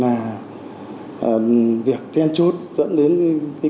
là việc tên chốt dẫn đến kết quả